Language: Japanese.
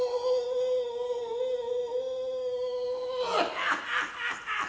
ハハハハハ。